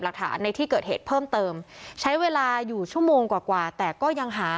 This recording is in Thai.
หลักฐานในที่เกิดเหตุเพิ่มเติมใช้เวลาอยู่ชั่วโมงกว่ากว่าแต่ก็ยังหา